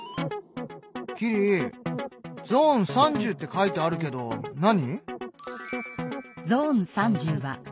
キリ「ゾーン３０」って書いてあるけど何？